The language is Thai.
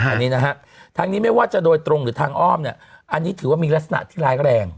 อันนี้นะฮะทางนี้ไม่ว่าจะโดยตรงหรือทางอ้อมเนี่ยอันนี้ถือว่ามีลักษณะที่ร้ายแรง